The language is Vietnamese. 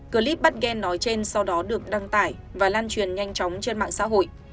clip bắt ghen nói trên sau đó được đăng tải và lan truyền nhanh chóng trên mạng xã hội